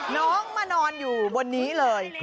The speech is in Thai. น้องมานอนอยู่บนนี้เลย